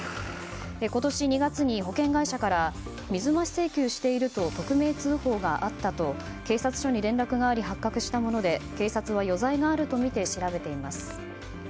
今年２月に保険会社から水増し請求していると匿名通報があったと警察署に連絡があり発覚したもので警察は余罪があるとみて調べています。